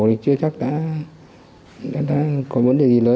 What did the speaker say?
thì chưa chắc đã có vấn đề gì lớn